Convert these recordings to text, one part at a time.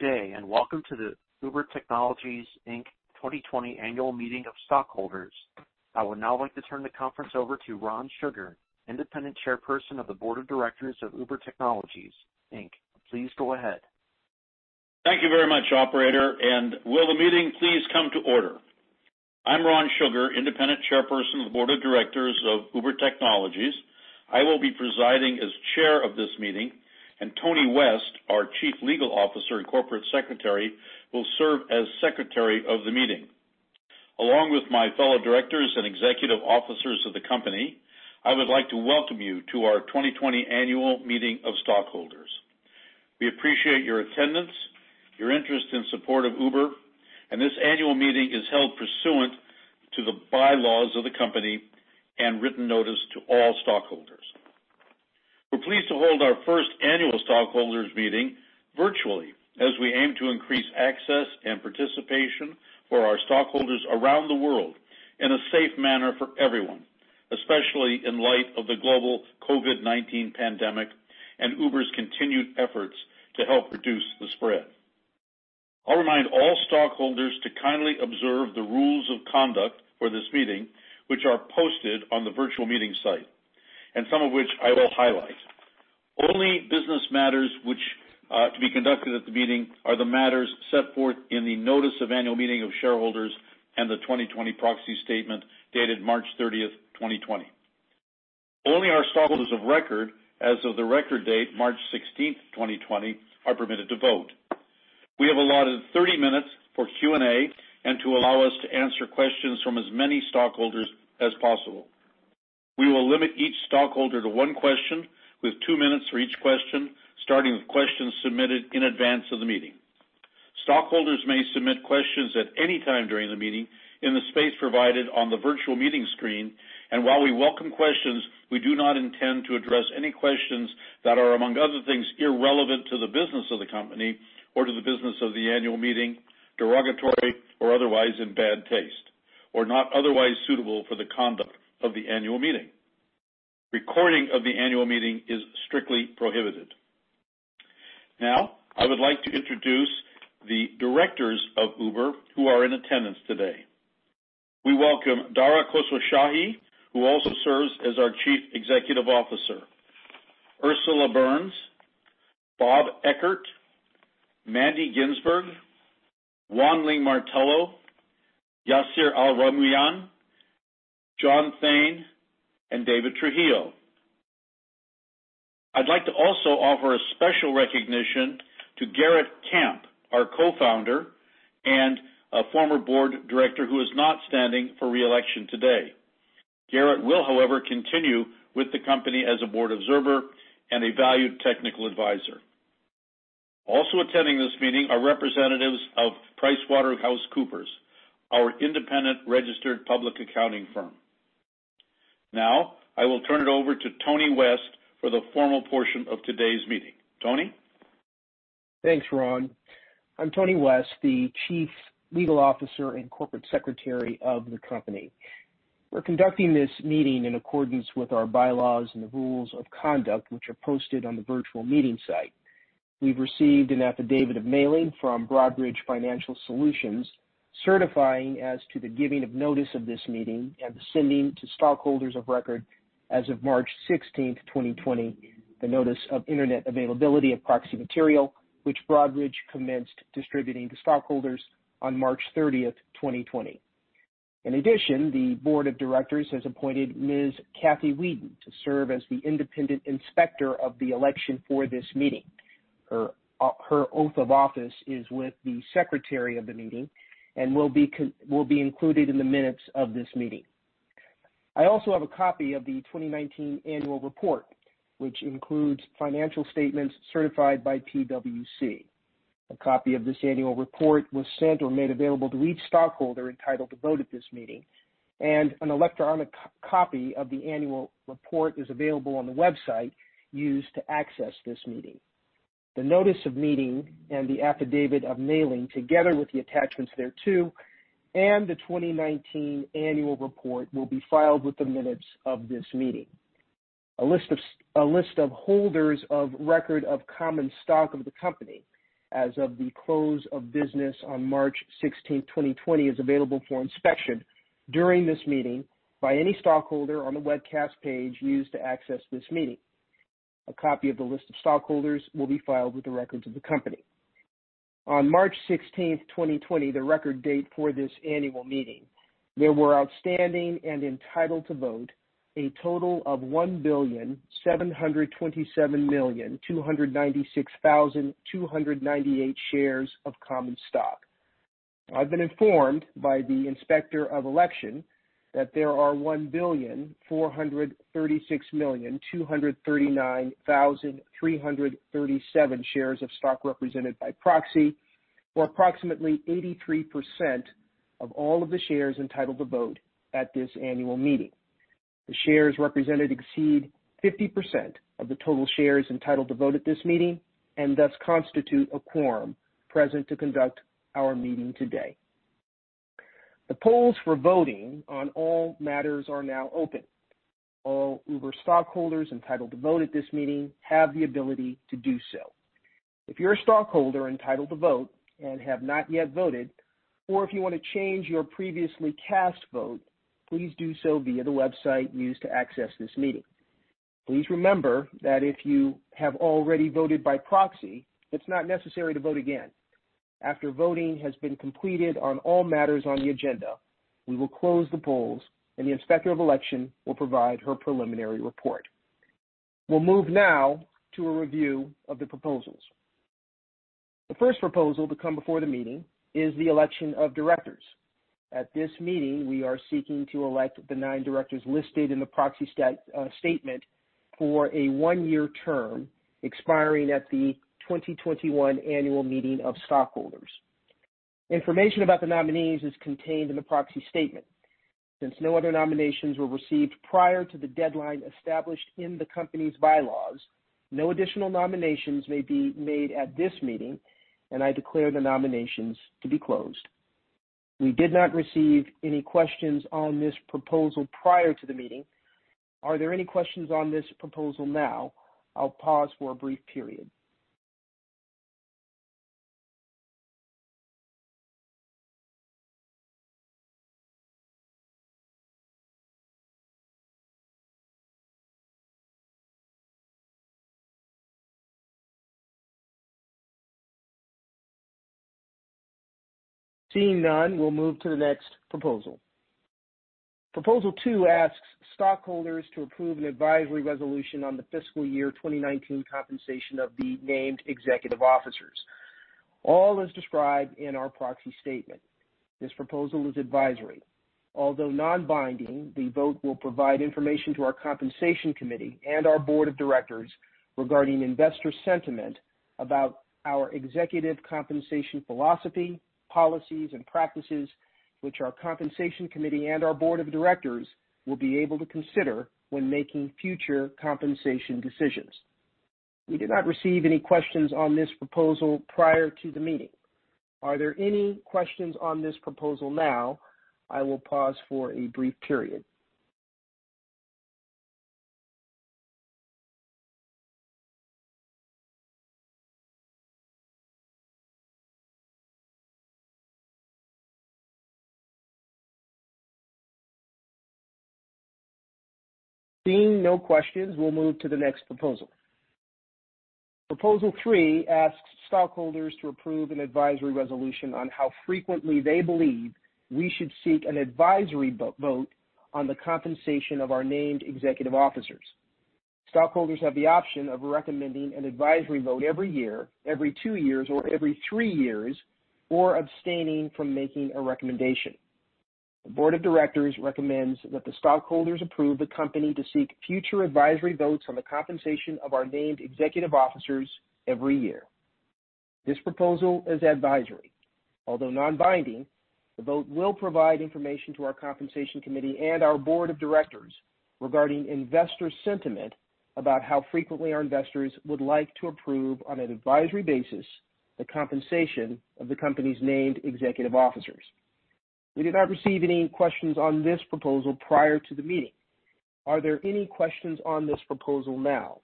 Good day, and welcome to the Uber Technologies Inc 2020 Annual Meeting of Stockholders. I would now like to turn the conference over to Ron Sugar, Independent Chairperson of the Board of Directors of Uber Technologies Inc. Please go ahead. Thank you very much, operator. Will the meeting please come to order? I'm Ron Sugar, Independent Chairperson of the Board of Directors of Uber Technologies, Inc. I will be presiding as Chair of this meeting, and Tony West, our Chief Legal Officer and Corporate Secretary, will serve as secretary of the meeting. Along with my fellow Directors and executive officers of the company, I would like to welcome you to our 2020 Annual Meeting of Stockholders. We appreciate your attendance, your interest, and support of Uber, and this annual meeting is held pursuant to the bylaws of the company and written notice to all stockholders. We're pleased to hold our first Annual Stockholders Meeting virtually as we aim to increase access and participation for our stockholders around the world in a safe manner for everyone, especially in light of the global COVID-19 pandemic and Uber's continued efforts to help reduce the spread. I'll remind all stockholders to kindly observe the rules of conduct for this meeting, which are posted on the virtual meeting site, and some of which I will highlight. Only business matters which are to be conducted at the meeting are the matters set forth in the Notice of Annual Meeting of Shareholders and the 2020 Proxy Statement dated March 30th, 2020. Only our stockholders of record as of the record date, March 16th, 2020, are permitted to vote. We have allotted 30 minutes for Q&A and to allow us to answer questions from as many stockholders as possible. We will limit each stockholder to one question with two minutes for each question, starting with questions submitted in advance of the meeting. Stockholders may submit questions at any time during the meeting in the space provided on the virtual meeting screen. While we welcome questions, we do not intend to address any questions that are, among other things, irrelevant to the business of the company or to the business of the annual meeting, derogatory or otherwise in bad taste, or not otherwise suitable for the conduct of the annual meeting. Recording of the annual meeting is strictly prohibited. I would like to introduce the Directors of Uber who are in attendance today. We welcome Dara Khosrowshahi, who also serves as our Chief Executive Officer, Ursula Burns, Bob Eckert, Mandy Ginsberg, Wan-Ling Martello, Yasir Al-Rumayyan, John Thain, and David Trujillo. I'd like to also offer a special recognition to Garrett Camp, our Co-founder and former Board Director who is not standing for re-election today. Garrett will, however, continue with the company as a Board observer and a valued technical advisor. Also attending this meeting are representatives of PricewaterhouseCoopers, our independent registered public accounting firm. I will turn it over to Tony West for the formal portion of today's meeting. Tony? Thanks, Ron. I'm Tony West, the Chief Legal Officer and Corporate Secretary of the company. We're conducting this meeting in accordance with our bylaws and the rules of conduct, which are posted on the virtual meeting site. We've received an affidavit of mailing from Broadridge Financial Solutions, certifying as to the giving of notice of this meeting and the sending to stockholders of record as of March 16th, 2020, the notice of Internet availability of proxy material, which Broadridge commenced distributing to stockholders on March 30th, 2020. In addition, the Board of Directors has appointed Ms. Kathy Weedon to serve as the Independent Inspector of the Election for this meeting. Her oath of office is with the secretary of the meeting and will be included in the minutes of this meeting. I also have a copy of the 2019 annual report, which includes financial statements certified by PwC. A copy of this annual report was sent or made available to each stockholder entitled to vote at this meeting, and an electronic copy of the annual report is available on the website used to access this meeting. The notice of meeting and the affidavit of mailing, together with the attachments thereto, and the 2019 annual report will be filed with the minutes of this meeting. A list of holders of record of common stock of the company as of the close of business on March 16th, 2020, is available for inspection during this meeting by any stockholder on the webcast page used to access this meeting. A copy of the list of stockholders will be filed with the records of the company. On March 16th, 2020, the record date for this annual meeting, there were outstanding and entitled to vote a total of 1,727,296,298 shares of common stock. I've been informed by the Inspector of Election that there are 1,436,239,337 shares of stock represented by proxy, or approximately 83% of all of the shares entitled to vote at this annual meeting. The shares represented exceed 50% of the total shares entitled to vote at this meeting and thus constitute a quorum present to conduct our meeting today. The polls for voting on all matters are now open. All Uber stockholders entitled to vote at this meeting have the ability to do so. If you're a stockholder entitled to vote and have not yet voted, or if you want to change your previously cast vote, please do so via the website used to access this meeting. Please remember that if you have already voted by proxy, it's not necessary to vote again. After voting has been completed on all matters on the agenda, we will close the polls, and the Inspector of Election will provide her preliminary report. We'll move now to a review of the proposals. The first proposal to come before the meeting is the election of directors. At this meeting, we are seeking to elect the nine directors listed in the proxy statement for a one-year term expiring at the 2021 Annual Meeting of Stockholders. Information about the nominees is contained in the proxy statement. Since no other nominations were received prior to the deadline established in the company's bylaws, no additional nominations may be made at this meeting, and I declare the nominations to be closed. We did not receive any questions on this proposal prior to the meeting. Are there any questions on this proposal now? I'll pause for a brief period. Seeing none, we'll move to the next proposal. Proposal two asks stockholders to approve an advisory resolution on the fiscal year 2019 compensation of the named Executive Officers. All is described in our proxy statement. This proposal is advisory. Although non-binding, the vote will provide information to our Compensation Committee and our Board of Directors regarding investor sentiment about our executive compensation philosophy, policies, and practices, which our Compensation Committee and our Board of Directors will be able to consider when making future compensation decisions. We did not receive any questions on this proposal prior to the meeting. Are there any questions on this proposal now? I will pause for a brief period. Seeing no questions, we'll move to the next proposal. Proposal three asks stockholders to approve an advisory resolution on how frequently they believe we should seek an advisory vote on the compensation of our named executive officers. Stockholders have the option of recommending an advisory vote every year, every two years, or every three years, or abstaining from making a recommendation. The Board of Directors recommends that the stockholders approve the company to seek future advisory votes on the compensation of our named Executive Officers every year. This proposal is advisory. Although non-binding, the vote will provide information to our Compensation Committee and our Board of Directors regarding investor sentiment about how frequently our investors would like to approve, on an advisory basis, the compensation of the company's named Executive Officers. We did not receive any questions on this proposal prior to the meeting. Are there any questions on this proposal now?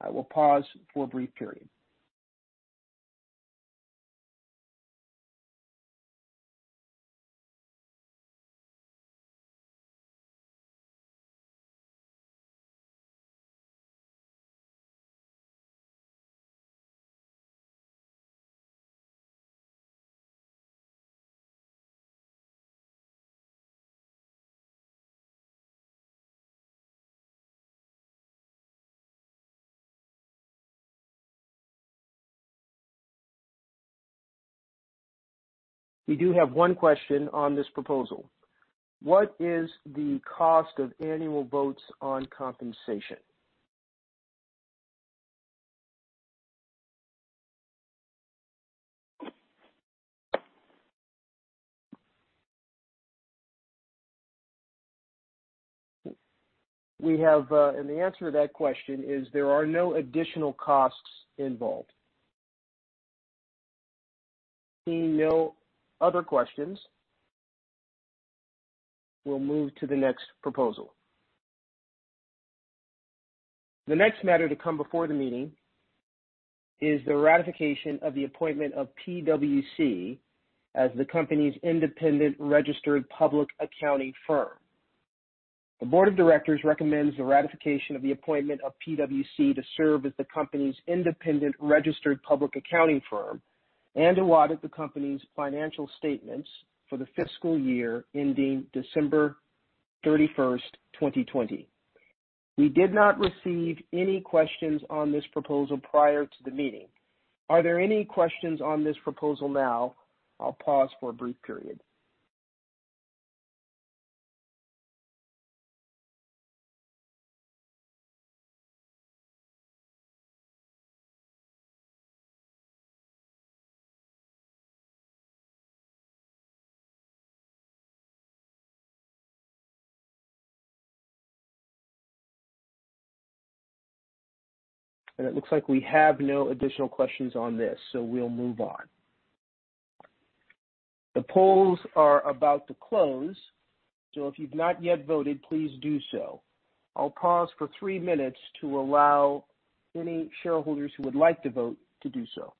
I will pause for a brief period. We do have one question on this proposal. What is the cost of annual votes on compensation? We have, and the answer to that question is there are no additional costs involved. Seeing no other questions, we'll move to the next proposal. The next matter to come before the meeting is the ratification of the appointment of PwC as the company's independent registered public accounting firm. The Board of Directors recommends the ratification of the appointment of PwC to serve as the company's independent registered public accounting firm and audit the company's financial statements for the fiscal year ending December 31st, 2020. We did not receive any questions on this proposal prior to the meeting. Are there any questions on this proposal now? I'll pause for a brief period. It looks like we have no additional questions on this, so we'll move on. The polls are about to close, so if you've not yet voted, please do so. I'll pause for three minutes to allow any shareholders who would like to vote to do so.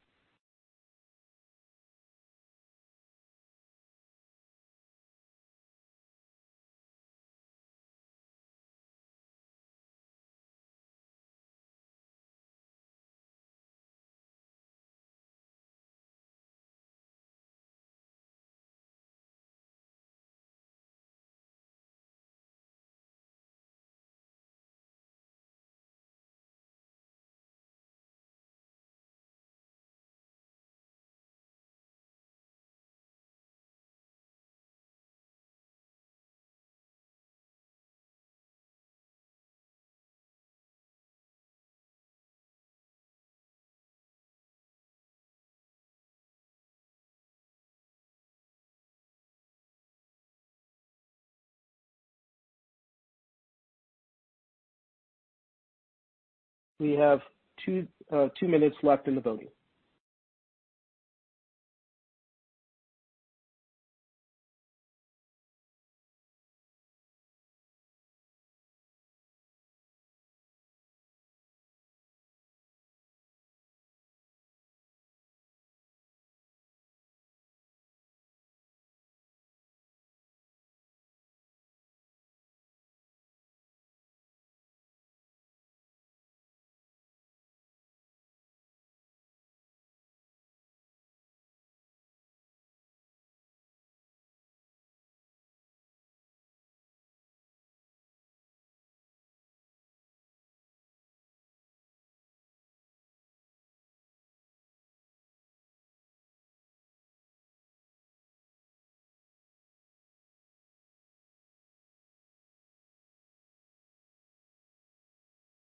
We have two minutes left in the voting.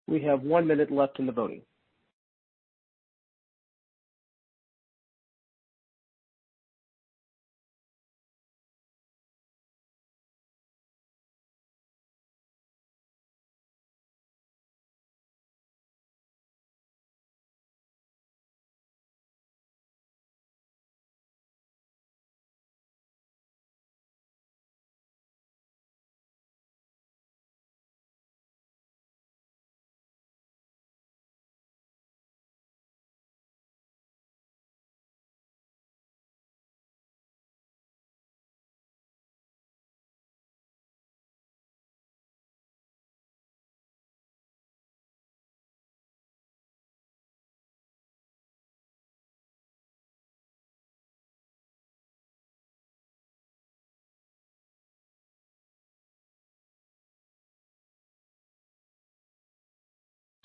We have one minute left in the voting.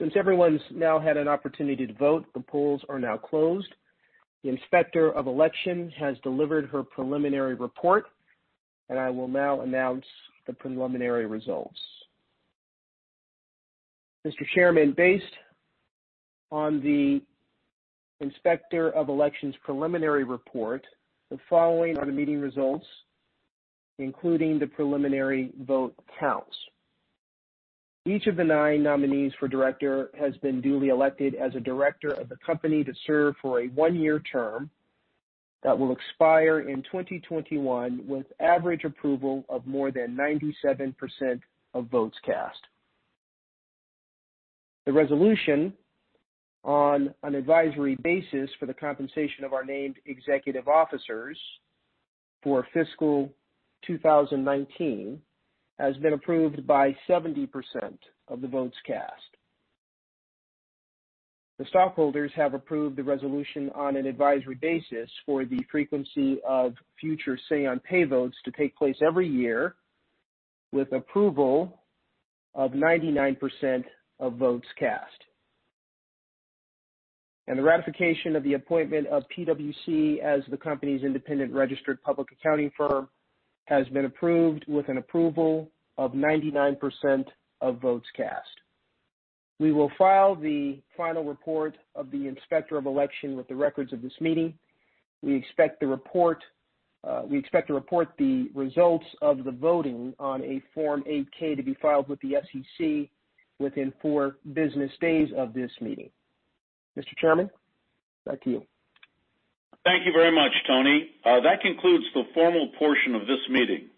Since everyone's now had an opportunity to vote, the polls are now closed. The Inspector of Election has delivered her preliminary report, and I will now announce the preliminary results. Mr. Chairman, based on the Inspector of Election's preliminary report, the following are the meeting results, including the preliminary vote counts. Each of the nine nominees for Director has been duly elected as a Director of the company to serve for a one-year term that will expire in 2021, with average approval of more than 97% of votes cast. The resolution on an advisory basis for the compensation of our named Executive Officers for fiscal 2019 has been approved by 70% of the votes cast. The stockholders have approved the resolution on an advisory basis for the frequency of future say on pay votes to take place every year with approval of 99% of votes cast. The ratification of the appointment of PwC as the company's independent registered public accounting firm has been approved with an approval of 99% of votes cast. We will file the final report of the Inspector of Election with the records of this meeting. We expect to report the results of the voting on a Form 8-K to be filed with the SEC within four business days of this meeting. Mr. Chairman, back to you. Thank you very much, Tony. That concludes the formal portion of this meeting.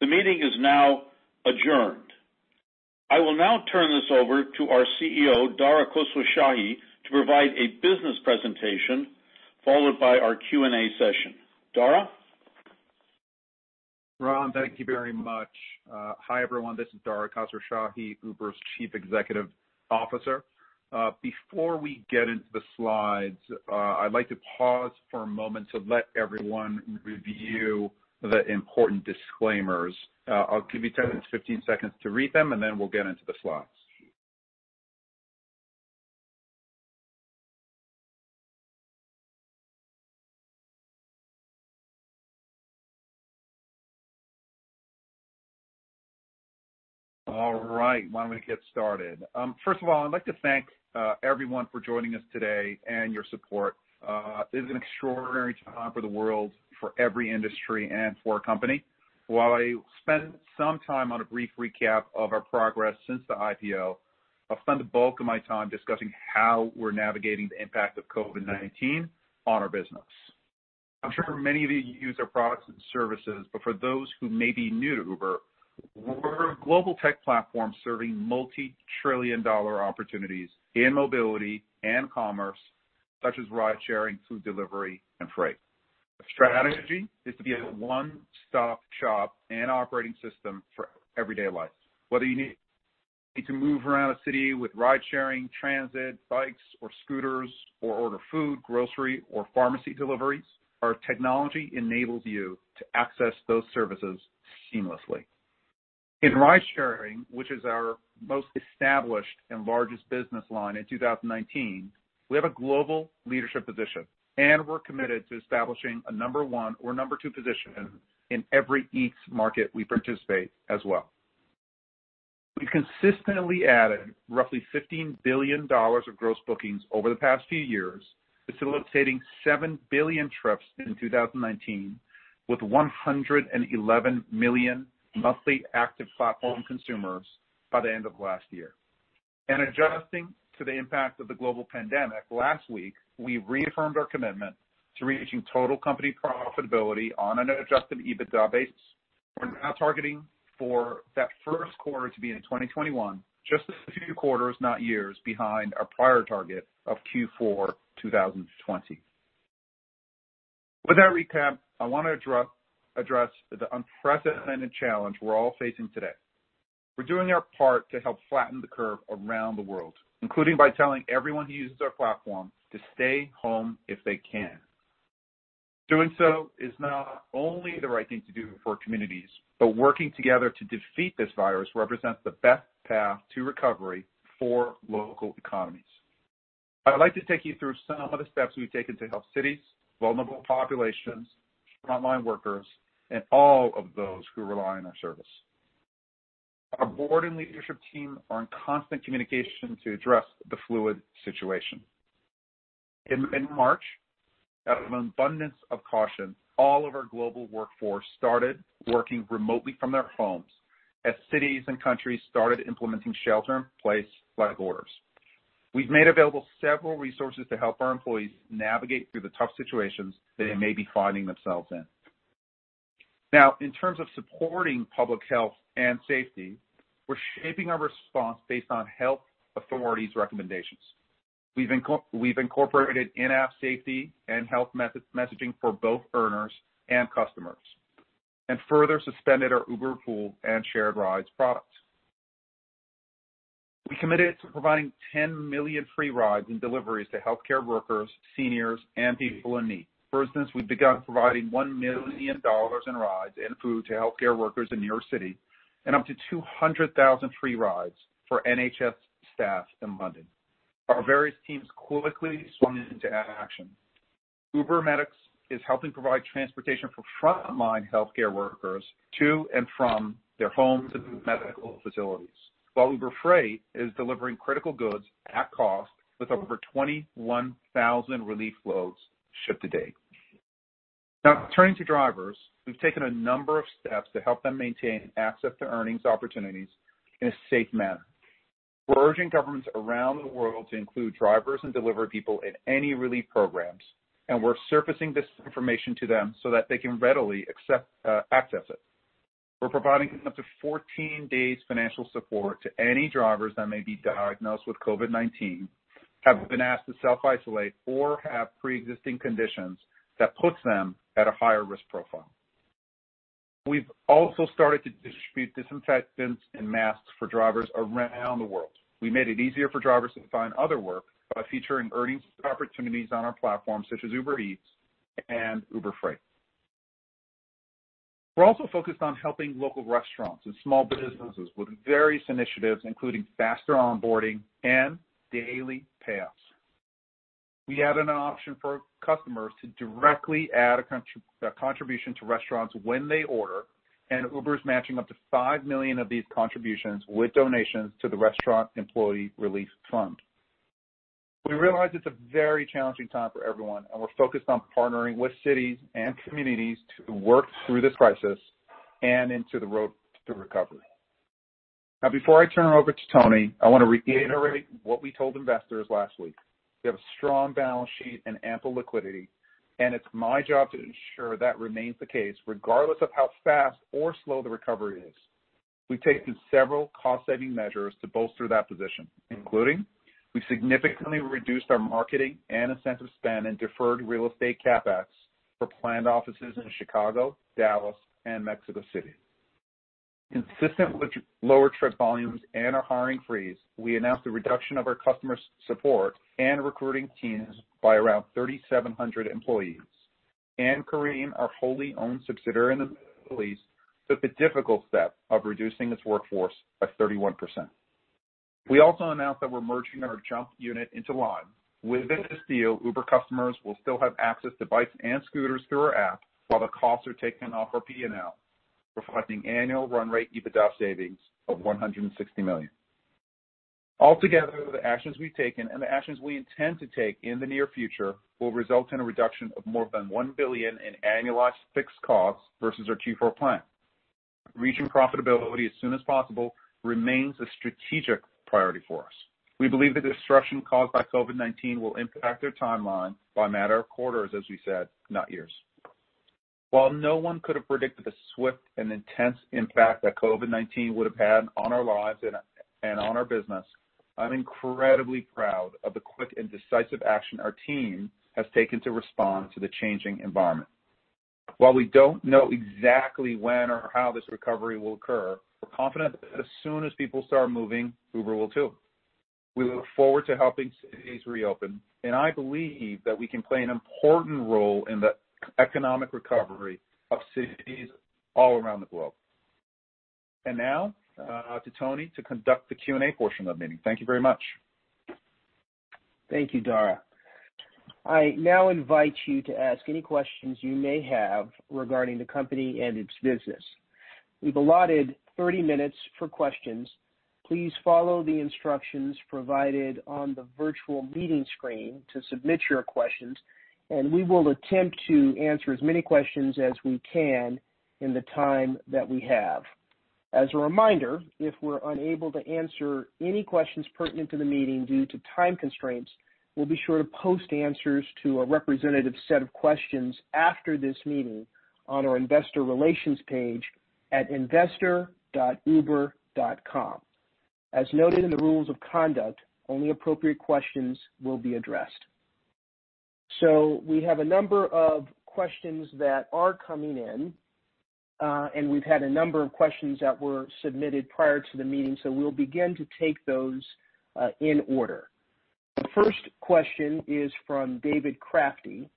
The meeting is now adjourned. I will now turn this over to our CEO, Dara Khosrowshahi, to provide a business presentation, followed by our Q&A session. Dara? Ron, thank you very much. Hi, everyone. This is Dara Khosrowshahi, Uber's Chief Executive Officer. Before we get into the slides, I'd like to pause for a moment to let everyone review the important disclaimers. I'll give you 10-15 seconds to read them, and then we'll get into the slides. All right, why don't we get started? First of all, I'd like to thank everyone for joining us today and your support. This is an extraordinary time for the world, for every industry, and for our company. While I spend some time on a brief recap of our progress since the IPO, I'll spend the bulk of my time discussing how we're navigating the impact of COVID-19 on our business. I'm sure many of you use our products and services, but for those who may be new to Uber, we're a global tech platform serving multi-trillion-dollar opportunities in mobility and commerce, such as ride-sharing, food delivery, and freight. Our strategy is to be a one-stop shop and operating system for everyday life. Whether you need to move around a city with ride-sharing, transit, bikes or scooters, or order food, grocery, or pharmacy deliveries, our technology enables you to access those services seamlessly. In ride-sharing, which is our most established and largest business line in 2019, we have a global leadership position, and we're committed to establishing a number one or number two position in every Eats market we participate as well. We've consistently added roughly $15 billion of gross bookings over the past few years, facilitating 7 billion trips in 2019, with 111 million monthly active platform consumers by the end of last year. Adjusting to the impact of the global pandemic last week, we reaffirmed our commitment to reaching total company profitability on an adjusted EBITDA basis. We're now targeting for that first quarter to be in 2021, just a few quarters, not years, behind our prior target of Q4 2020. With that recap, I want to address the unprecedented challenge we're all facing today. We're doing our part to help flatten the curve around the world, including by telling everyone who uses our platform to stay home if they can. Doing so is not only the right thing to do for communities, but working together to defeat this virus represents the best path to recovery for local economies. I would like to take you through some of the steps we've taken to help cities, vulnerable populations, frontline workers, and all of those who rely on our service. Our Board and leadership team are in constant communication to address the fluid situation. In March, out of an abundance of caution, all of our global workforce started working remotely from their homes, as cities and countries started implementing shelter-in-place-like orders. We've made available several resources to help our employees navigate through the tough situations that they may be finding themselves in. Now, in terms of supporting public health and safety, we're shaping our response based on health authorities' recommendations. We've incorporated in-app safety and health messaging for both earners and customers and further suspended our uberPOOL and shared rides products. We committed to providing 10 million free rides and deliveries to healthcare workers, seniors, and people in need. We've begun providing $1 million in rides and food to healthcare workers in New York City and up to 200,000 free rides for NHS staff in London. Our various teams quickly swung into action. Uber Medics is helping provide transportation for frontline healthcare workers to and from their homes and medical facilities, while Uber Freight is delivering critical goods at cost, with over 21,000 relief loads shipped to date. Turning to drivers, we've taken a number of steps to help them maintain access to earnings opportunities in a safe manner. We're urging governments around the world to include drivers and delivery people in any relief programs, and we're surfacing this information to them so that they can readily access it. We're providing up to 14 days financial support to any drivers that may be diagnosed with COVID-19, have been asked to self-isolate, or have preexisting conditions that puts them at a higher risk profile. We've also started to distribute disinfectants and masks for drivers around the world. We made it easier for drivers to find other work by featuring earnings opportunities on our platform, such as Uber Eats and Uber Freight. We're also focused on helping local restaurants and small businesses with various initiatives, including faster onboarding and daily payouts. We added an option for customers to directly add a contribution to restaurants when they order, and Uber is matching up to $5 million of these contributions with donations to the Restaurant Employee Relief Fund. We realize it's a very challenging time for everyone, and we're focused on partnering with cities and communities to work through this crisis and into the road to recovery. Now, before I turn it over to Tony, I want to reiterate what we told investors last week. We have a strong balance sheet and ample liquidity, and it's my job to ensure that remains the case regardless of how fast or slow the recovery is. We've taken several cost-saving measures to bolster that position, including we've significantly reduced our marketing and incentive spend and deferred real estate CapEx for planned offices in Chicago, Dallas, and Mexico City. Consistent with lower trip volumes and our hiring freeze, we announced the reduction of our customer support and recruiting teams by around 3,700 employees. Careem, our wholly owned subsidiary in the Middle East, took the difficult step of reducing its workforce by 31%. We also announced that we're merging our Jump unit into Lime. With this deal, Uber customers will still have access to bikes and scooters through our app while the costs are taken off our P&L, reflecting annual run rate EBITDA savings of $160 million. Altogether, the actions we've taken and the actions we intend to take in the near future will result in a reduction of more than $1 billion in annualized fixed costs versus our Q4 plan. Reaching profitability as soon as possible remains a strategic priority for us. We believe the disruption caused by COVID-19 will impact their timeline by a matter of quarters, as we said, not years. While no one could have predicted the swift and intense impact that COVID-19 would have had on our lives and on our business, I'm incredibly proud of the quick and decisive action our team has taken to respond to the changing environment. While we don't know exactly when or how this recovery will occur, we're confident that as soon as people start moving, Uber will too. We look forward to helping cities reopen, I believe that we can play an important role in the economic recovery of cities all around the globe. Now, to Tony to conduct the Q&A portion of the meeting. Thank you very much. Thank you, Dara. I now invite you to ask any questions you may have regarding the company and its business. We've allotted 30 minutes for questions. Please follow the instructions provided on the virtual meeting screen to submit your questions, and we will attempt to answer as many questions as we can in the time that we have. As a reminder, if we're unable to answer any questions pertinent to the meeting due to time constraints, we'll be sure to post answers to a representative set of questions after this meeting on our investor relations page at investor.uber.com. As noted in the rules of conduct, only appropriate questions will be addressed. We have a number of questions that are coming in, and we've had a number of questions that were submitted prior to the meeting, so we'll begin to take those in order. The first question is from David Crafty.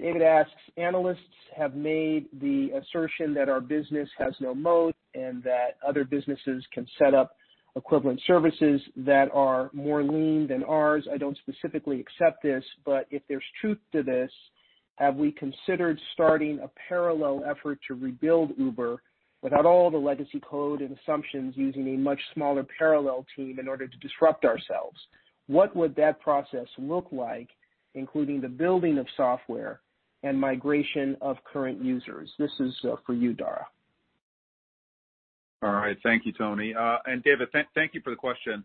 David asks, "Analysts have made the assertion that our business has no moat and that other businesses can set up equivalent services that are more lean than ours. I don't specifically accept this, but if there's truth to this, have we considered starting a parallel effort to rebuild Uber without all the legacy code and assumptions using a much smaller parallel team in order to disrupt ourselves? What would that process look like, including the building of software and migration of current users?" This is for you, Dara. All right. Thank you, Tony. David, thank you for the question.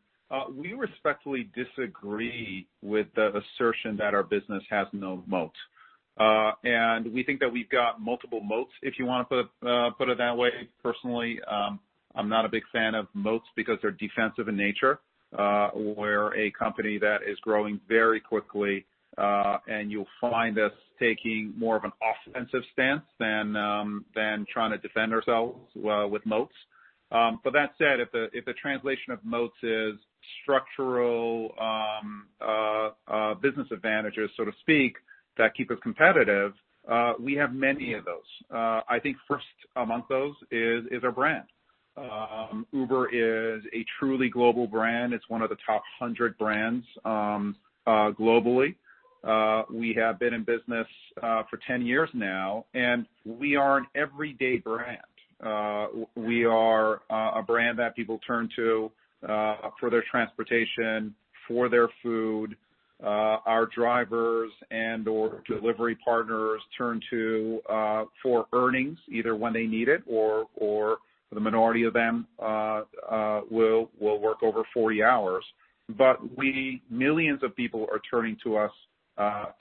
We respectfully disagree with the assertion that our business has no moat. We think that we've got multiple moats, if you want to put it that way. Personally, I'm not a big fan of moats because they're defensive in nature, where a company that is growing very quickly, and you'll find us taking more of an offensive stance than trying to defend ourselves with moats. That said, if the translation of moats is structural business advantages, so to speak, that keep us competitive, we have many of those. I think first among those is our brand. Uber is a truly global brand. It's one of the top 100 brands globally. We have been in business for 10 years now, and we are an everyday brand. We are a brand that people turn to for their transportation, for their food. Our drivers and/or delivery partners turn to for earnings, either when they need it or for the minority of them, will work over 40 hours. Millions of people are turning to us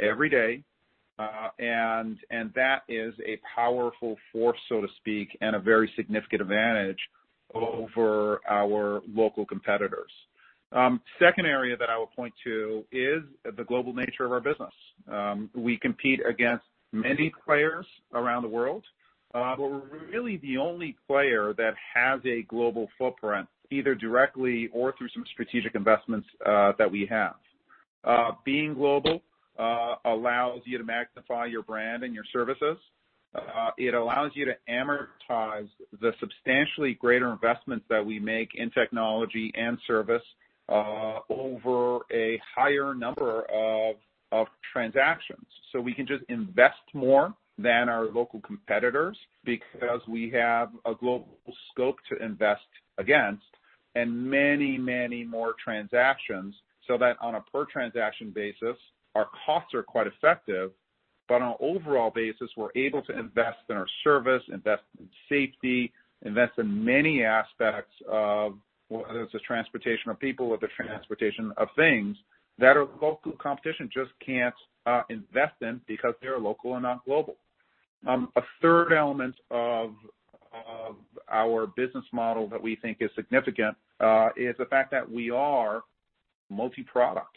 every day, and that is a powerful force, so to speak, and a very significant advantage over our local competitors. Second area that I will point to is the global nature of our business. We compete against many players around the world, but we're really the only player that has a global footprint, either directly or through some strategic investments that we have. Being global allows you to magnify your brand and your services. It allows you to amortize the substantially greater investments that we make in technology and service over a higher number of transactions. We can just invest more than our local competitors because we have a global scope to invest against and many more transactions, so that on a per-transaction basis, our costs are quite effective. On an overall basis, we're able to invest in our service, invest in safety, invest in many aspects of, whether it's the transportation of people or the transportation of things that our local competition just can't invest in because they are local and not global. A third element of our business model that we think is significant is the fact that we are multi-product.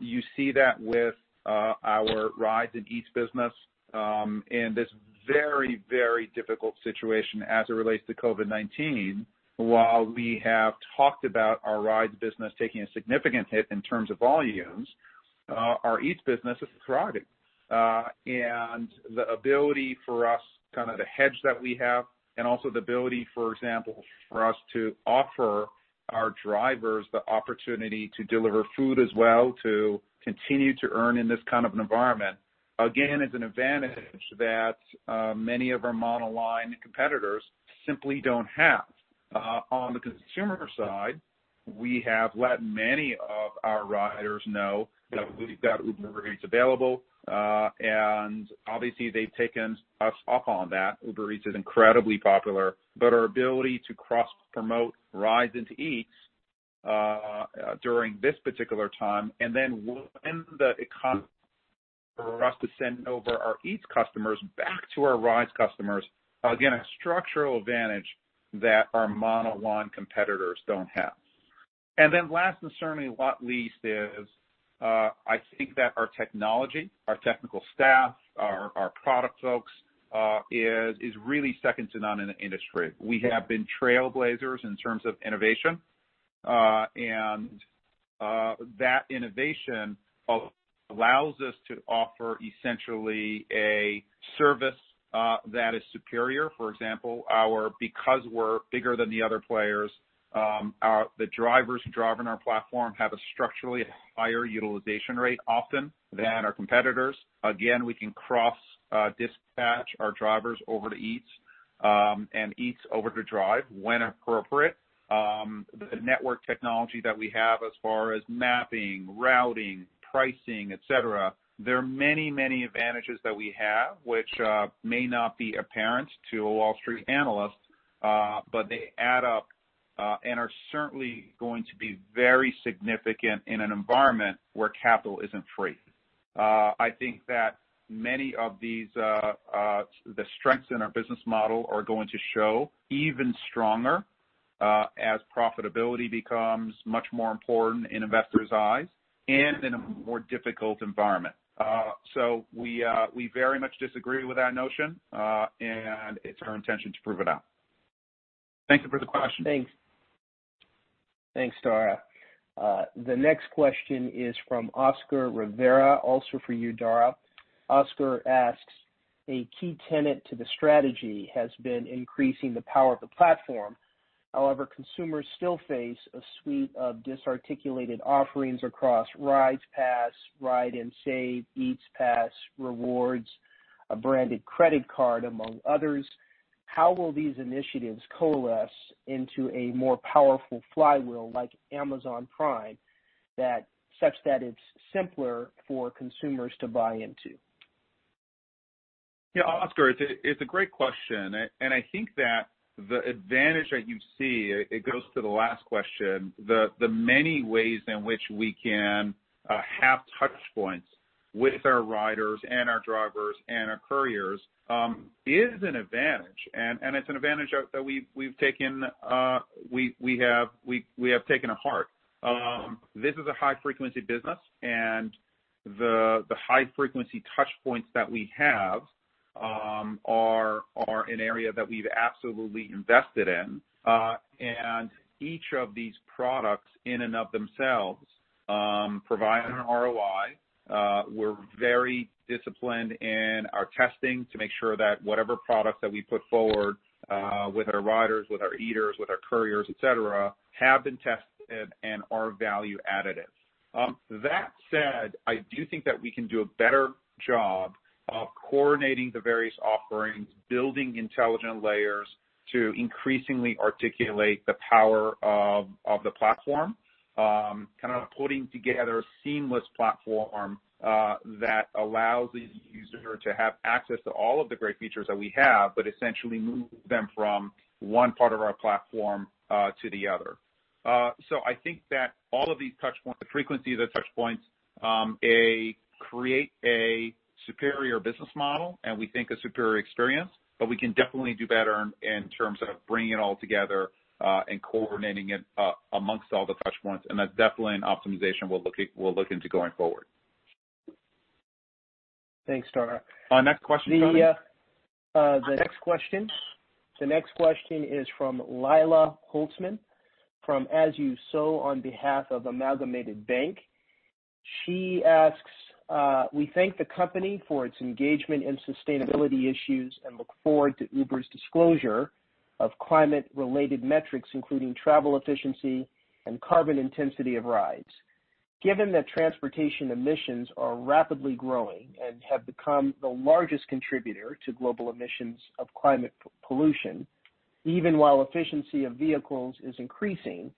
You see that with our Rides and Eats business in this very difficult situation as it relates to COVID-19. While we have talked about our Rides business taking a significant hit in terms of volumes, our Eats business is thriving. The ability for us, kind of the hedge that we have, and also the ability, for example, for us to offer our drivers the opportunity to deliver food as well, to continue to earn in this kind of an environment. Again, it's an advantage that many of our monoline competitors simply don't have. On the consumer side, we have let many of our riders know that we've got Uber Eats available. Obviously, they've taken us up on that. Uber Eats is incredibly popular. Our ability to cross-promote rides into Eats during this particular time, and then when the economy for us to send over our Eats customers back to our Rides customers, again, a structural advantage that our monoline competitors don't have. Last, and certainly not least, is I think that our technology, our technical staff, our product folks, is really second to none in the industry. We have been trailblazers in terms of innovation. That innovation allows us to offer essentially a service that is superior. For example, because we're bigger than the other players, the drivers who drive on our platform have a structurally higher utilization rate often than our competitors. Again, we can cross-dispatch our drivers over to Eats, and Eats over to Drive when appropriate. The network technology that we have as far as mapping, routing, pricing, etc, there are many advantages that we have, which may not be apparent to a Wall Street analyst. They add up, and are certainly going to be very significant in an environment where capital isn't free. I think that many of the strengths in our business model are going to show even stronger as profitability becomes much more important in investors' eyes and in a more difficult environment. We very much disagree with that notion, and it's our intention to prove it out. Thank you for the question. Thanks, Dara. The next question is from Oscar Rivera, also for you, Dara. Oscar asks, "A key tenet to the strategy has been increasing the power of the platform. However, consumers still face a suite of disarticulated offerings across Rides Pass, Ride and Save, Eats Pass, Rewards, a branded credit card, among others. How will these initiatives coalesce into a more powerful flywheel like Amazon Prime, such that it's simpler for consumers to buy into? Oscar, it's a great question. I think that the advantage that you see, it goes to the last question, the many ways in which we can have touchpoints with our riders and our drivers and our couriers, is an advantage. It's an advantage that we have taken to heart. This is a high-frequency business, and the high-frequency touchpoints that we have are an area that we've absolutely invested in. Each of these products in and of themselves provide an ROI. We're very disciplined in our testing to make sure that whatever products that we put forward with our riders, with our eaters, with our couriers, etc, have been tested and are value additive. That said, I do think that we can do a better job of coordinating the various offerings, building intelligent layers to increasingly articulate the power of the platform, kind of putting together a seamless platform that allows the user to have access to all of the great features that we have, but essentially move them from one part of our platform to the other. I think that all of these frequencies of touchpoints create a superior business model, and we think a superior experience, but we can definitely do better in terms of bringing it all together, and coordinating it amongst all the touchpoints. That's definitely an optimization we'll look into going forward. Thanks, Dara. Next question, Tony? The next question is from Lila Holzman from As You Sow on behalf of Amalgamated Bank. She asks, "We thank the company for its engagement in sustainability issues and look forward to Uber's disclosure of climate-related metrics, including travel efficiency and carbon intensity of rides. Given that transportation emissions are rapidly growing and have become the largest contributor to global emissions of climate pollution, even while efficiency of vehicles is increasing,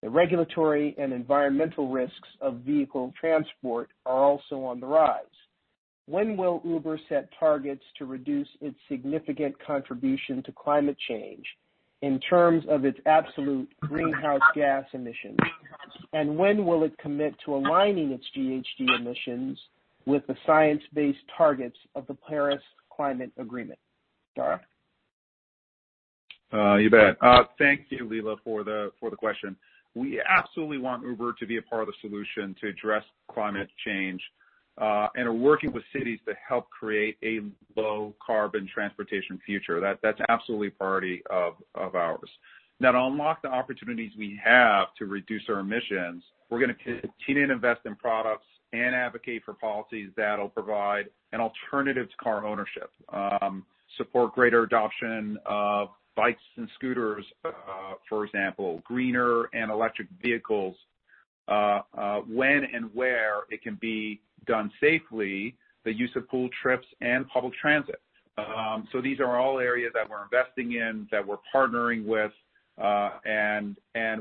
the regulatory and environmental risks of vehicle transport are also on the rise. When will Uber set targets to reduce its significant contribution to climate change in terms of its absolute greenhouse gas emissions, when will it commit to aligning its GHG emissions with the science-based targets of the Paris Agreement?" Dara? You bet. Thank you, Lila, for the question. We absolutely want Uber to be a part of the solution to address climate change, and are working with cities to help create a low-carbon transportation future. That's absolutely a priority of ours. To unlock the opportunities we have to reduce our emissions, we're going to continue to invest in products and advocate for policies that'll provide an alternative to car ownership, support greater adoption of bikes and scooters, for example, greener and electric vehicles, when and where it can be done safely, the use of pool trips and public transit. These are all areas that we're investing in, that we're partnering with, and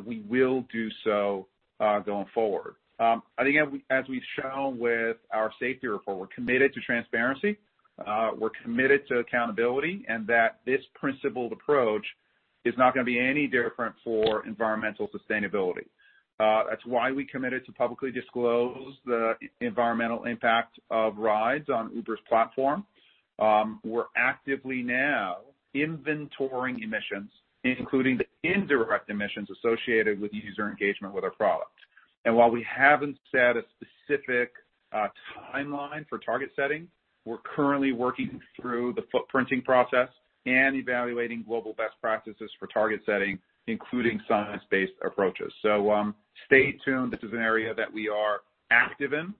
we will do so going forward. I think as we've shown with our safety report, we're committed to transparency, we're committed to accountability, and that this principled approach is not going to be any different for environmental sustainability. That's why we committed to publicly disclose the environmental impact of rides on Uber's platform. We're actively now inventorying emissions, including the indirect emissions associated with user engagement with our products. While we haven't set a specific timeline for target setting, we're currently working through the footprinting process and evaluating global best practices for target setting, including science-based approaches. Stay tuned. This is an area that we are active in,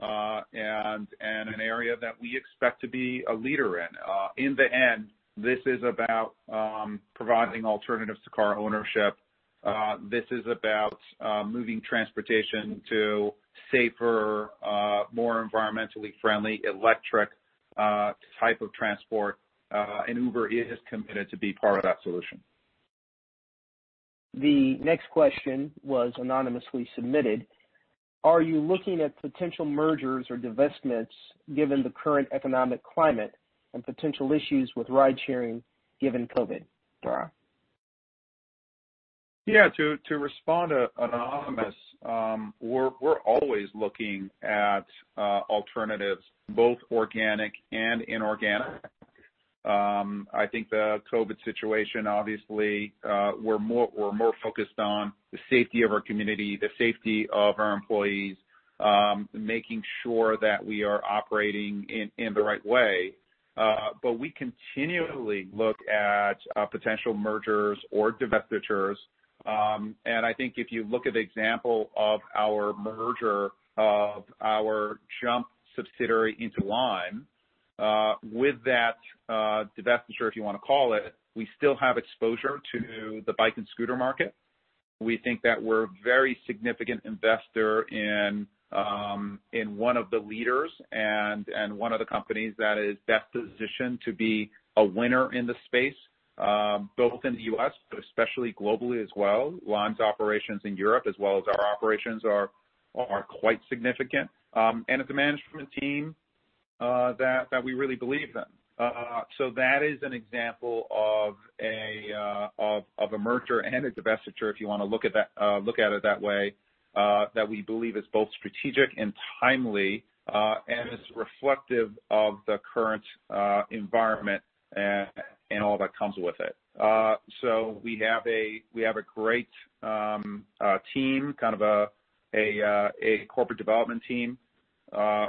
and an area that we expect to be a leader in. In the end, this is about providing alternatives to car ownership. This is about moving transportation to safer, more environmentally friendly electric type of transport. Uber is committed to be part of that solution. The next question was anonymously submitted. Are you looking at potential mergers or divestments given the current economic climate and potential issues with ridesharing given COVID? Dara? Yeah, to respond to anonymous, we're always looking at alternatives, both organic and inorganic. I think the COVID-19 situation, obviously, we're more focused on the safety of our community, the safety of our employees, making sure that we are operating in the right way. We continually look at potential mergers or divestitures. I think if you look at the example of our merger of our Jump subsidiary into Lime, with that divestiture, if you want to call it, we still have exposure to the bike and scooter market. We think that we're a very significant investor in one of the leaders and one of the companies that is best positioned to be a winner in the space, both in the U.S., especially globally as well. Lime's operations in Europe as well as our operations are quite significant. It's a management team that we really believe in. That is an example of a merger and a divestiture, if you want to look at it that way, that we believe is both strategic and timely, and is reflective of the current environment and all that comes with it. We have a great team, kind of a corporate development team.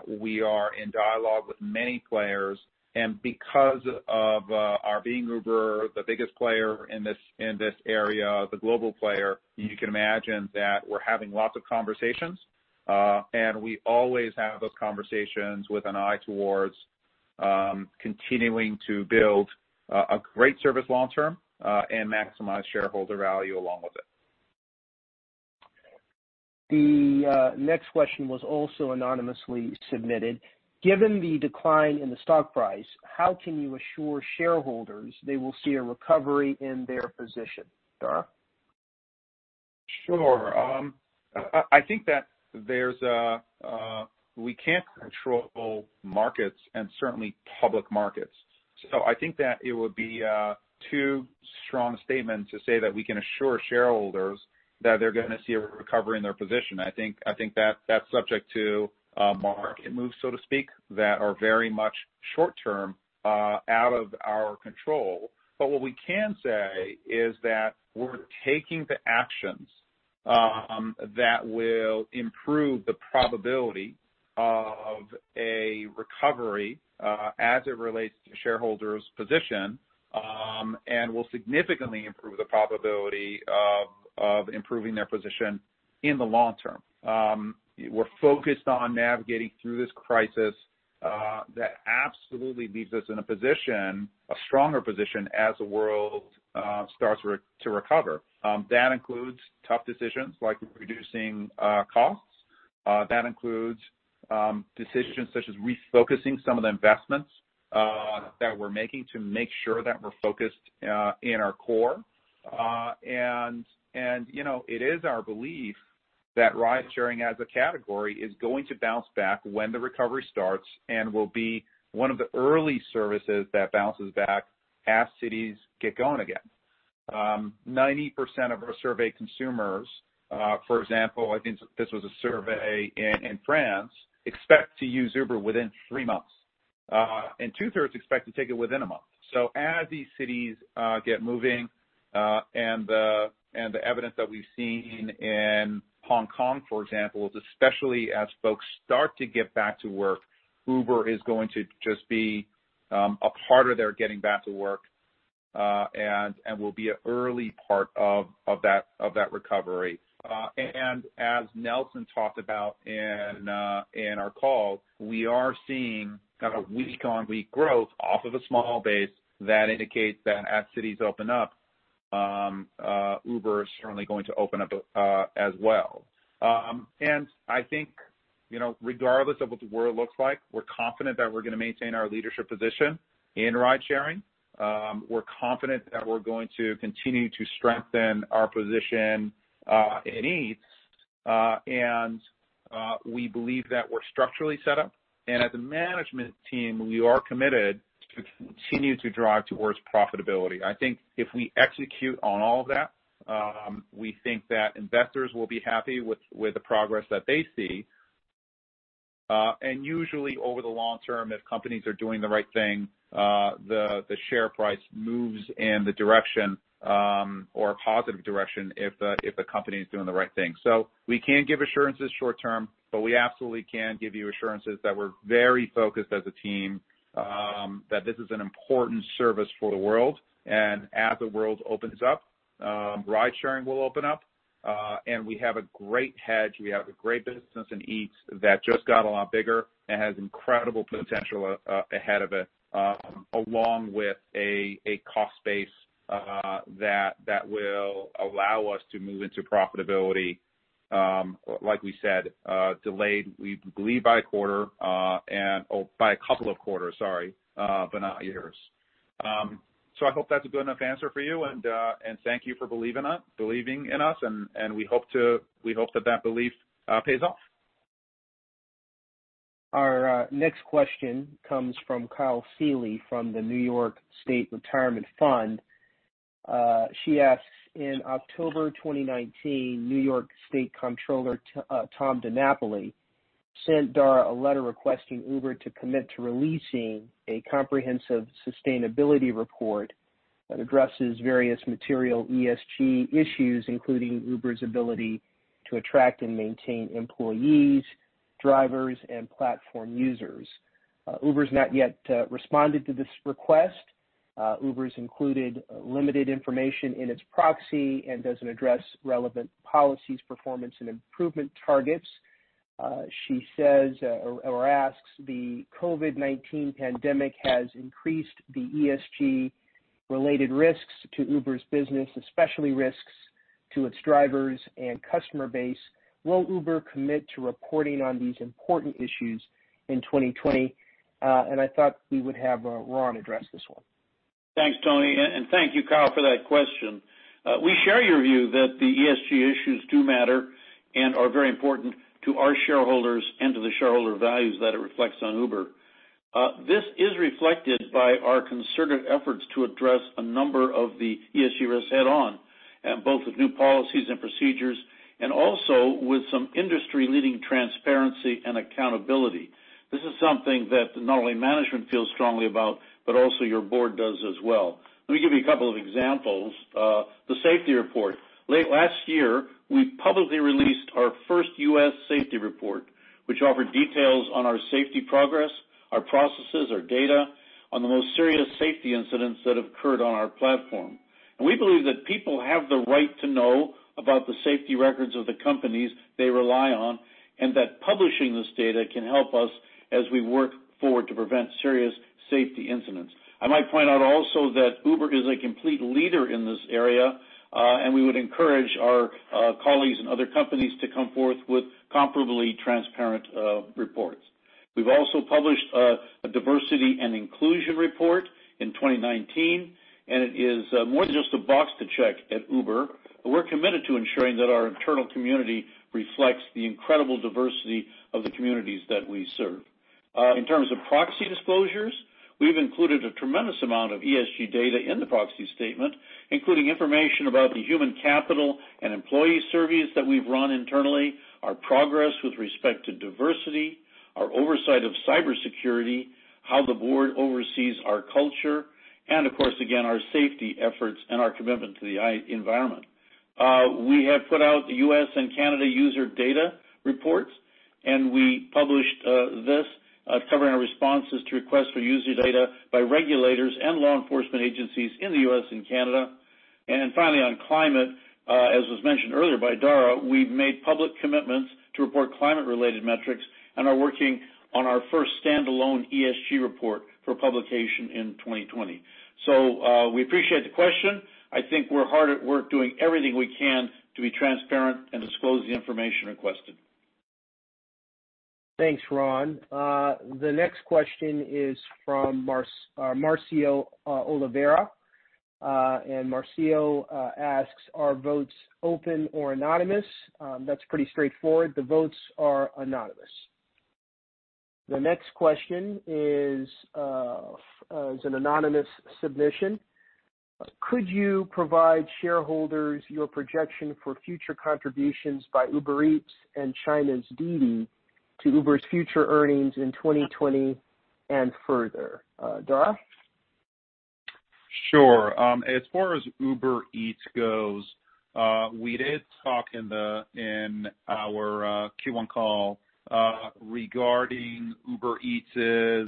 We are in dialogue with many players, and because of our being Uber, the biggest player in this area, the global player, you can imagine that we're having lots of conversations. We always have those conversations with an eye towards continuing to build a great service long-term, and maximize shareholder value along with it. The next question was also anonymously submitted. Given the decline in the stock price, how can you assure shareholders they will see a recovery in their position? Dara? Sure. I think that we can't control markets and certainly public markets. I think that it would be a too strong a statement to say that we can assure shareholders that they're going to see a recovery in their position. I think that's subject to market moves, so to speak, that are very much short-term, out of our control. What we can say is that we're taking the actions that will improve the probability of a recovery as it relates to shareholders' position, and will significantly improve the probability of improving their position in the long term. We're focused on navigating through this crisis that absolutely leaves us in a position, a stronger position, as the world starts to recover. That includes tough decisions like reducing costs. That includes decisions such as refocusing some of the investments that we're making to make sure that we're focused in our core. It is our belief that ridesharing as a category is going to bounce back when the recovery starts and will be one of the early services that bounces back as cities get going again. 90% of our surveyed consumers, for example, I think this was a survey in France, expect to use Uber within three months, and 2/3 expect to take it within one month. As these cities get moving, and the evidence that we've seen in Hong Kong, for example, is especially as folks start to get back to work, Uber is going to just be a part of their getting back to work, and will be an early part of that recovery. As Nelson talked about in our call, we are seeing kind of week-on-week growth off of a small base that indicates that as cities open up, Uber is certainly going to open up as well. I think, regardless of what the world looks like, we're confident that we're going to maintain our leadership position in ride-sharing. We're confident that we're going to continue to strengthen our position in Eats. We believe that we're structurally set up, and as a management team, we are committed to continue to drive towards profitability. I think if we execute on all of that, we think that investors will be happy with the progress that they see. Usually over the long term, if companies are doing the right thing, the share price moves in the direction, or a positive direction if the company is doing the right thing. We can't give assurances short term, but we absolutely can give you assurances that we're very focused as a team, that this is an important service for the world. As the world opens up, ride-sharing will open up. We have a great hedge. We have a great business in Eats that just got a lot bigger and has incredible potential ahead of it, along with a cost base that will allow us to move into profitability, like we said, delayed, we believe by a couple of quarters, sorry, but not years. I hope that's a good enough answer for you, and thank you for believing in us, and we hope that that belief pays off. Our next question comes from Kyle Seeley from the New York State Common Retirement Fund. She asks, "In October 2019, New York State Comptroller, Tom DiNapoli, sent Dara a letter requesting Uber to commit to releasing a comprehensive sustainability report that addresses various material ESG issues, including Uber's ability to attract and maintain employees, drivers, and platform users. Uber's not yet responded to this request. Uber's included limited information in its proxy and doesn't address relevant policies, performance, and improvement targets." She says or asks, "The COVID-19 pandemic has increased the ESG-related risks to Uber's business, especially risks to its drivers and customer base. Will Uber commit to reporting on these important issues in 2020?" I thought we would have Ron address this one. Thanks, Tony, and thank you, Kyle, for that question. We share your view that the ESG issues do matter and are very important to our shareholders and to the shareholder values that it reflects on Uber. This is reflected by our concerted efforts to address a number of the ESG risks head-on, both with new policies and procedures and also with some industry-leading transparency and accountability. This is something that not only management feels strongly about, but also your Board does as well. Let me give you a couple of examples. The safety report. Late last year, we publicly released our first U.S. safety report, which offered details on our safety progress, our processes, our data on the most serious safety incidents that occurred on our platform. We believe that people have the right to know about the safety records of the companies they rely on, and that publishing this data can help us as we work forward to prevent serious safety incidents. I might point out also that Uber is a complete leader in this area, and we would encourage our colleagues and other companies to come forth with comparably transparent reports. We've also published a diversity and inclusion report in 2019, and it is more than just a box to check at Uber. We're committed to ensuring that our internal community reflects the incredible diversity of the communities that we serve. In terms of proxy disclosures, we've included a tremendous amount of ESG data in the proxy statement, including information about the human capital and employee surveys that we've run internally, our progress with respect to diversity, our oversight of cybersecurity, how the Board oversees our culture, and of course, again, our safety efforts and our commitment to the environment. We have put out the U.S. and Canada user data reports, and we published this covering our responses to requests for user data by regulators and law enforcement agencies in the U.S. and Canada. Finally, on climate, as was mentioned earlier by Dara, we've made public commitments to report climate-related metrics and are working on our first standalone ESG report for publication in 2020. We appreciate the question. I think we're hard at work doing everything we can to be transparent and disclose the information requested. Thanks, Ron. The next question is from Marcio Oliveira. Marcio asks, "Are votes open or anonymous?" That's pretty straightforward. The votes are anonymous. The next question is an anonymous submission. "Could you provide shareholders your projection for future contributions by Uber Eats and China's DiDi to Uber's future earnings in 2020 and further?" Dara? Sure. As far as Uber Eats goes, we did talk in our Q1 call regarding Uber Eats'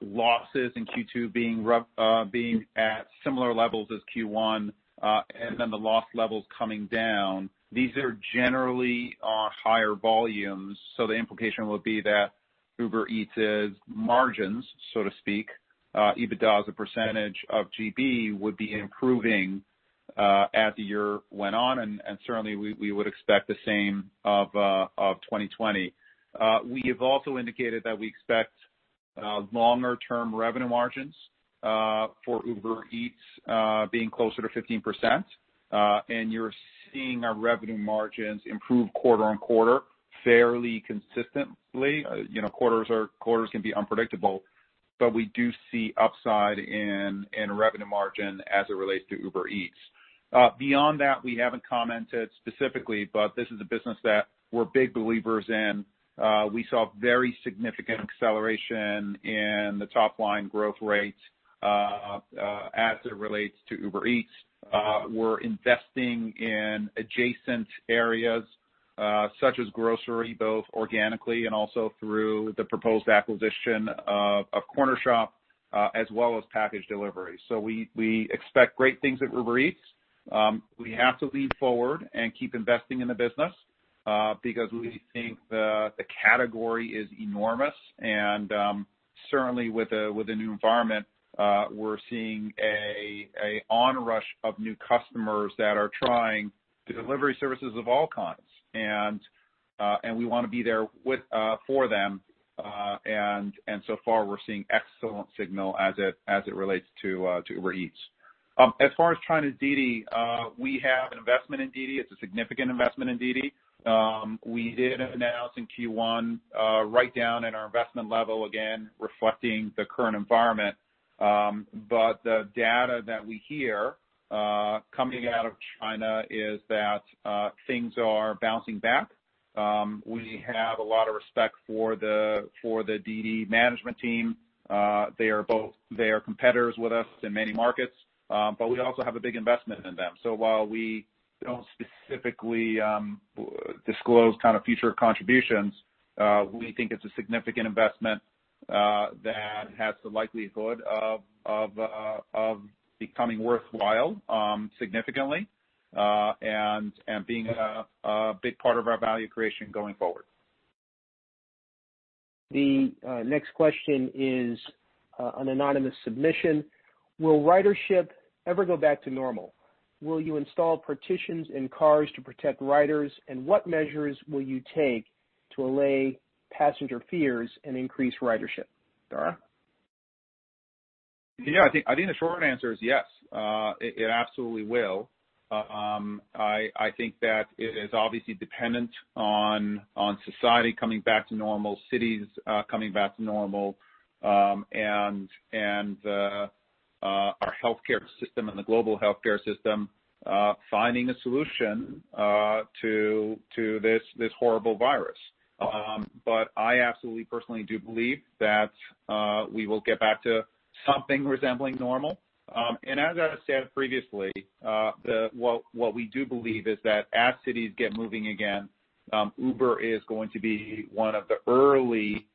losses in Q2 being at similar levels as Q1, and then the loss levels coming down. These are generally higher volumes. The implication would be that Uber Eats' margins, so to speak, EBITDA as a percentage of GB, would be improving as the year went on. Certainly we would expect the same of 2020. We have also indicated that we expect longer-term revenue margins for Uber Eats being closer to 15%. You're seeing our revenue margins improve quarter-on-quarter fairly consistently. Quarters can be unpredictable. We do see upside in revenue margin as it relates to Uber Eats. Beyond that, we haven't commented specifically. This is a business that we're big believers in. We saw very significant acceleration in the top-line growth rate as it relates to Uber Eats. We're investing in adjacent areas such as grocery, both organically and also through the proposed acquisition of Cornershop, as well as package delivery. We expect great things at Uber Eats. We have to lean forward and keep investing in the business because we think the category is enormous, and certainly with the new environment, we're seeing an onrush of new customers that are trying delivery services of all kinds, and we want to be there for them, and so far we're seeing excellent signal as it relates to Uber Eats. As far as China's DiDi, we have an investment in DiDi. It's a significant investment in DiDi. We did announce in Q1 a write-down in our investment level, again, reflecting the current environment. The data that we hear coming out of China is that things are bouncing back. We have a lot of respect for the DiDi management team. They are competitors with us in many markets, but we also have a big investment in them. While we don't specifically disclose future contributions, we think it's a significant investment that has the likelihood of becoming worthwhile significantly, and being a big part of our value creation going forward. The next question is an anonymous submission. Will ridership ever go back to normal? Will you install partitions in cars to protect riders, and what measures will you take to allay passenger fears and increase ridership? Dara? Yeah, I think the short answer is yes it absolutely will. I think that it is obviously dependent on society coming back to normal, cities coming back to normal, and our healthcare system and the global healthcare system finding a solution to this horrible virus. I absolutely, personally do believe that we will get back to something resembling normal. As I said previously, what we do believe is that as cities get moving again, Uber is going to be one of the early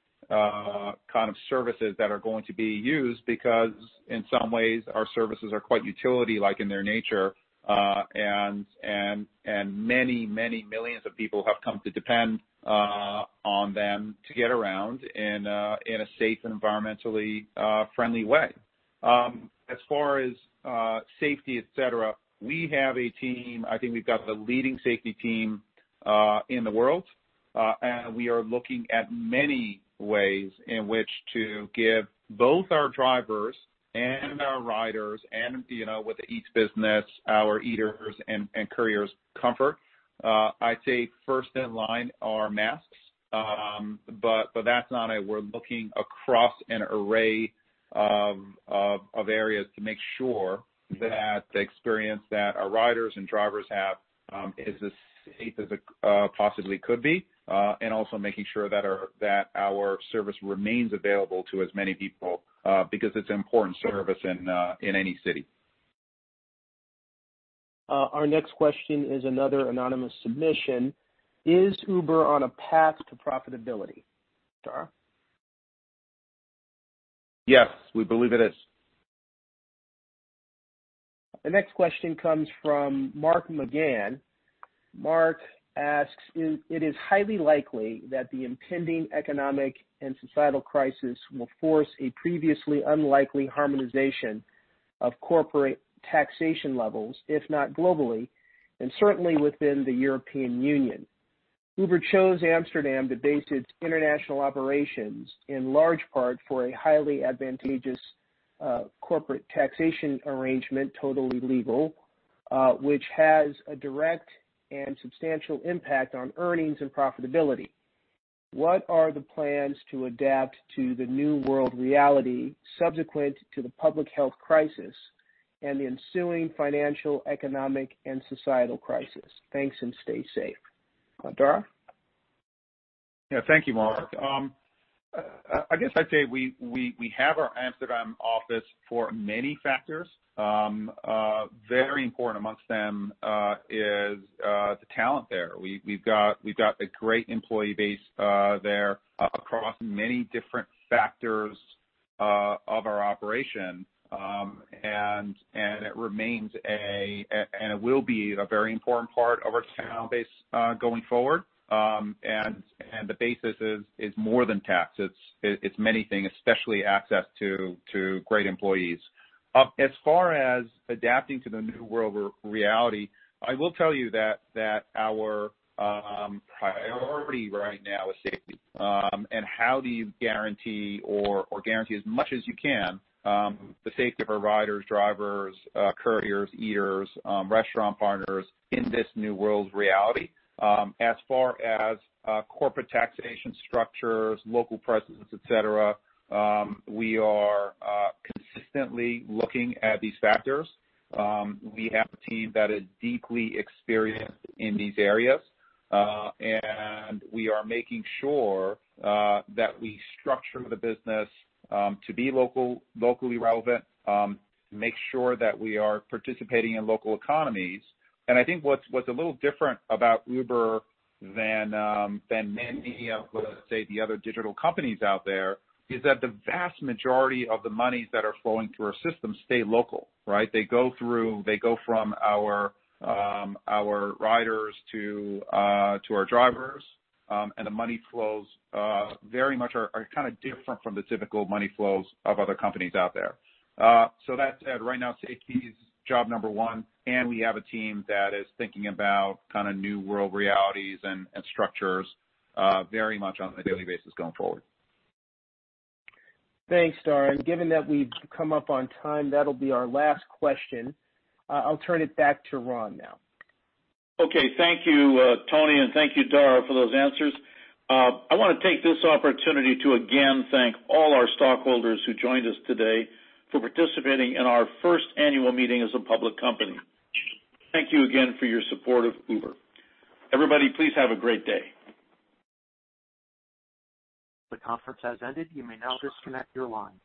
services that are going to be used because in some ways our services are quite utility-like in their nature. Many, many millions of people have come to depend on them to get around in a safe and environmentally friendly way. As far as safety, etc, we have a team, I think we've got the leading safety team in the world. We are looking at many ways in which to give both our drivers and our riders and with the Eats business, our eaters and couriers comfort. I'd say first in line are masks, but that's not it. We're looking across an array of areas to make sure that the experience that our riders and drivers have is as safe as it possibly could be, and also making sure that our service remains available to as many people, because it's an important service in any city. Our next question is another anonymous submission. Is Uber on a path to profitability? Dara? Yes, we believe it is. The next question comes from Mark MacGann. Mark asks, "It is highly likely that the impending economic and societal crisis will force a previously unlikely harmonization of corporate taxation levels, if not globally, and certainly within the European Union. Uber chose Amsterdam to base its international operations in large part for a highly advantageous corporate taxation arrangement, totally legal, which has a direct and substantial impact on earnings and profitability. What are the plans to adapt to the new world reality subsequent to the public health crisis and the ensuing financial, economic, and societal crisis? Thanks, and stay safe." Dara? Thank you, Mark. I'd say we have our Amsterdam office for many factors. Very important amongst them is the talent there. We've got a great employee base there across many different factors of our operation. It remains and will be a very important part of our talent base going forward. The basis is more than tax. It's many things, especially access to great employees. As far as adapting to the new world reality, I will tell you that our priority right now is safety, and how do you guarantee, or guarantee as much as you can, the safety of our riders, drivers, couriers, eaters, restaurant partners in this new world's reality. As far as corporate taxation structures, local presence, etc, we are consistently looking at these factors. We have a team that is deeply experienced in these areas. We are making sure that we structure the business to be locally relevant, make sure that we are participating in local economies. I think what's a little different about Uber than many of, let's say, the other digital companies out there is that the vast majority of the monies that are flowing through our system stay local, right? They go from our riders to our drivers. The money flows very much are kind of different from the typical money flows of other companies out there. That said, right now, safety is job number one, and we have a team that is thinking about kind of new world realities and structures very much on a daily basis going forward. Thanks, Dara. Given that we've come up on time, that'll be our last question. I'll turn it back to Ron now. Okay. Thank you, Tony, and thank you, Dara, for those answers. I want to take this opportunity to, again, thank all our stockholders who joined us today for participating in our first annual meeting as a public company. Thank you again for your support of Uber. Everybody, please have a great day. The conference has ended. You may now disconnect your line.